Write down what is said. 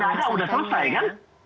nggak ada udah selesai kan